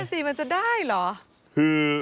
นั่นแหละสิมันจะได้หรอ